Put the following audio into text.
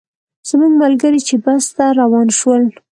زموږ ملګري چې بس ته روان شول.